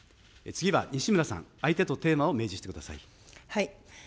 次は西村さん、相手とテーマを明示してください。